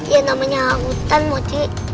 yang namanya hutan mau cilik